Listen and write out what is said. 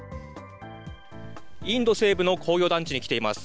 インド西部の工業団地に来ています。